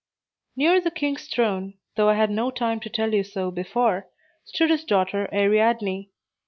Near the king's throne (though I had no time to tell you so before) stood his daughter Ariadne.